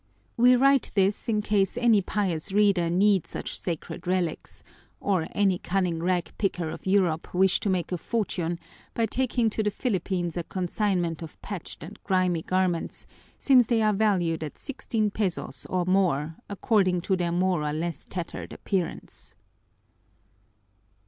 We write this in case any pious reader need such sacred relics or any cunning rag picker of Europe wish to make a fortune by taking to the Philippines a consignment of patched and grimy garments, since they are valued at sixteen pesos or more, according to their more or less tattered appearance.